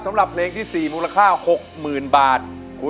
สำหรับเพลงที่สี่มูลค่าหกหมื่นบาท